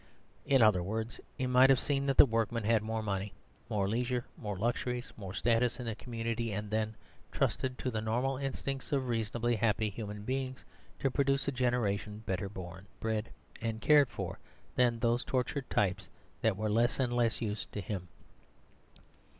In other words, he might have seen that the workmen had more money, more leisure, more luxuries, more status in the community, and then trusted to the normal instincts of reasonably happy human beings to produce a generation better born, bred and cared for than these tortured types that were less and less use to him.